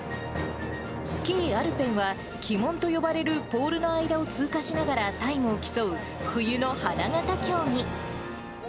スキーアルペンは、旗門と呼ばれるポールの間を通過しながらタイムを競う、冬の花形競技。